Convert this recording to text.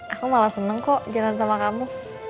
aku malah seneng kok jalan sama kamu